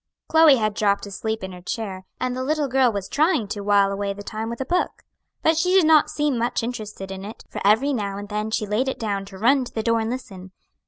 Chloe had dropped asleep in her chair, and the little girl was trying to while away the time with a book. But she did not seem much interested in it, for every now and then she laid it down to run to the door and listen.